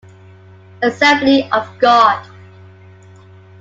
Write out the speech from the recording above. Assembly of God.